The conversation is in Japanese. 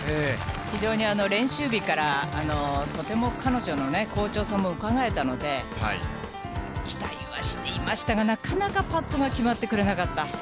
非常に練習日から、とても彼女のね、好調さもうかがえたので、期待はしていましたが、なかなかパットが決まってくれなかった。